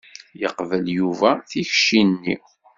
Yeqbel Yuba tikci-nni.